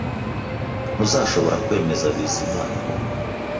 Ntuzashobora kwemeza Bizimana